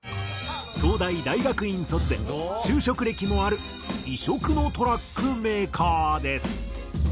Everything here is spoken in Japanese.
東大大学院卒で就職歴もある異色のトラックメーカーです。